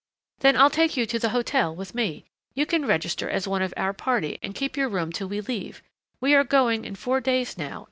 "Then I'll take you to the hotel with me. You can register as one of our party and keep your room till we leave we are going in four days now.